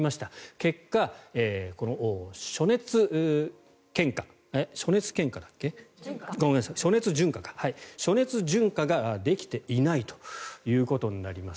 結果、この暑熱順化ができていないということになります。